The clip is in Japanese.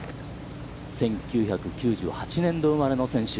１９９８年度生まれの選手。